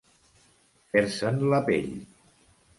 Fer-se'n la pell.